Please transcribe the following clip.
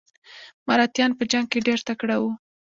مراتیان په جنګ کې ډیر تکړه وو.